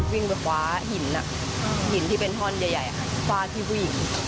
วิ่งไปคว้าหินหินที่เป็นท่อนใหญ่ฟาดที่ผู้หญิง